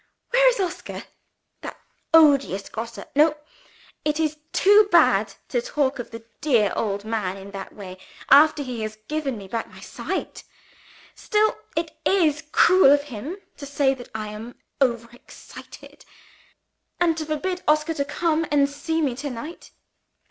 Where is Oscar? That odious Grosse no! it is too bad to talk of the dear old man in that way, after he has given me back my sight. Still it is cruel of him to say that I am overexcited, and to forbid Oscar to come and see me to night.